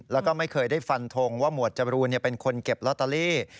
แล้วก็ไม่เคยได้ฟันทงว่าหมวดจรูนเป็นคนเก็บลอตเตอรี่